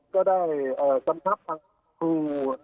ก็ได้กำชับทางครู